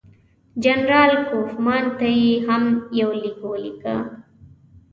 جنرال کوفمان ته یې هم یو لیک ولیکه.